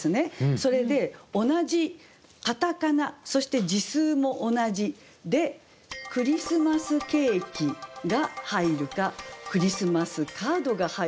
それで同じ片仮名そして字数も同じで「クリスマスケーキ」が入るか「クリスマスカード」が入るか。